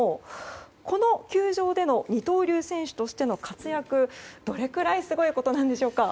この球場での二刀流選手としての活躍はどれぐらいすごいことなんでしょうか。